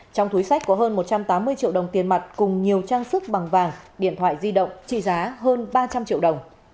trong túi sách có hơn một trăm tám mươi triệu đồng tiền mặt cùng nhiều trang sức bằng vàng điện thoại di động trị giá hơn ba trăm linh triệu đồng